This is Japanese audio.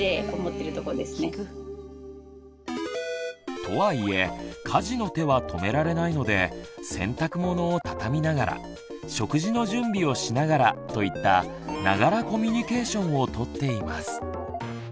とはいえ家事の手は止められないので洗濯物を畳みながら食事の準備をしながらといった「ながらコミュニケーション」をとっています。